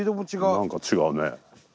何か違うね。